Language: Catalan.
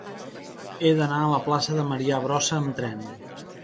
He d'anar a la plaça de Marià Brossa amb tren.